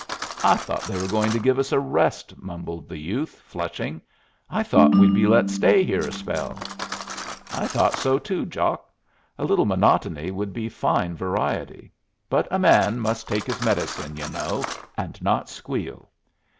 "I thought they were going to give us a rest," mumbled the youth, flushing. "I thought we'd be let stay here a spell." "I thought so too, Jock. A little monotony would be fine variety. But a man must take his medicine, y'u know, and not squeal."